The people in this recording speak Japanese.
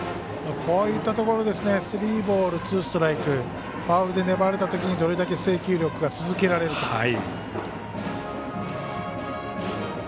こういったところスリーボール、ツーストライクファウルで粘られたときにどれだけ制球力が続けられるか。